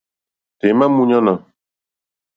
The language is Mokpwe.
Tɔ̀ímá !múɲánà.